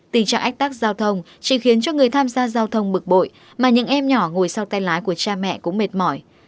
tình trạng ách tắc giao thông chỉ khiến cho người tham gia giao thông bực bội mà những em nhỏ ngồi sau tay lái của cha mẹ cũng mệt mỏi